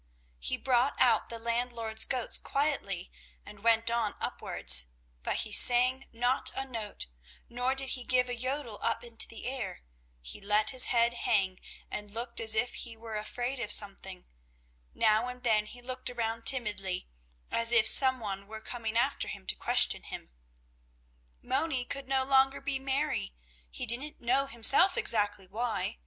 He brought out the landlord's goats quietly and went on upwards, but he sang not a note, nor did he give a yodel up into the air; he let his head hang and looked as if he were afraid of something; now and then he looked around timidly, as if some one were coming after him to question him. Moni could no longer be merry; he didn't know himself exactly why.